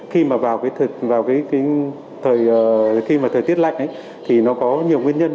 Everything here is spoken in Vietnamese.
khi mà vào thời tiết lạnh thì nó có nhiều nguyên nhân